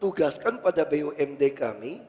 tugaskan pada bumd kami